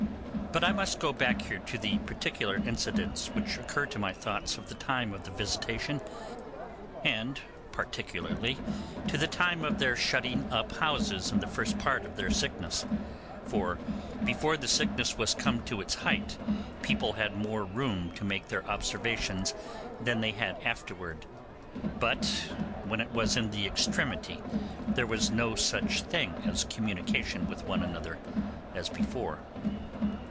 But I must go back here to the particular incidents which occur to my thoughts of the time of the visitation, and particularly to the time of their shutting up houses in the first part of their sickness; for before the sickness was come to its height people had more room to make their observations than they had afterward; but when it was in the extremity there was no such thing as communication with one another, as before.